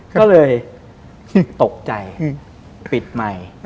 ก็เลยตกใจปิดไมค์